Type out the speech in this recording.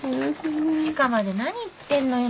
千佳まで何言ってんのよ